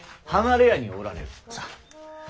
離れ屋におられる。さあ。